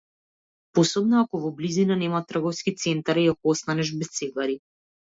Посебно ако во близина нема трговски центар и ако останеш без цигари.